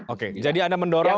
oke jadi anda mendorong